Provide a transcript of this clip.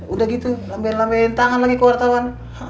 udah gitu lambiin lambiin tangan lagi ke wartawan